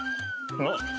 あっ。